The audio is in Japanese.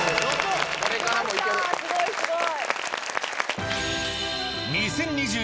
すごいすごい。